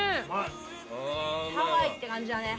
ハワイって感じだね。